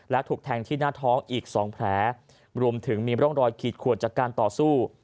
และถูกแทงที่หน้าท้องอีก๒แผลรวมถึงมีร่องรอยขีดขวดจากการต่อสู้